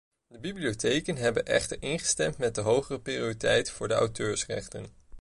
De bibliotheken hebben echter ingestemd met de hogere prioriteit voor auteursrechten.